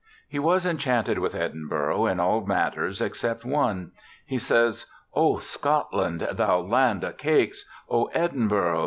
He was enchanted AN ALABAMA STUDENT 5 with Edinburgh in all matters except one. He says, 'O Scotland! thou land o' cakes! O Edinburgh!